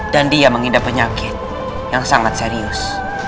dan dia mengidap penyakit yang sangat serius